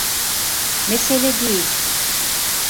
Mesele değil.